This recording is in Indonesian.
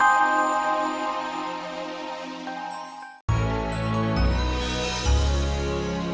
kamu jahat ra kamu jahat